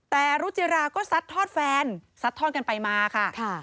แต่รุจิราก็ซัดทอดแฟนซัดทอดกันไปมาค่ะ